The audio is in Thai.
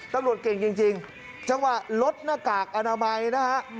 ตำรวจเก่งจริงจังหวะลดหน้ากากอนามัยนะฮะ